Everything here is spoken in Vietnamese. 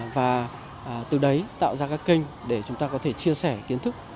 và từ đấy tạo ra các kênh để chúng ta có thể chia sẻ kiến thức